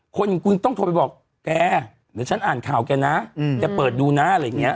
คนกูต้องโทรไปบอกแกเดี๋ยวฉันอ่านข่าวแกนะแกเปิดดูนะอะไรอย่างนี้